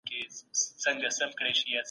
تاسو په پښتون کي کوم بدلون لیدل غواړئ؟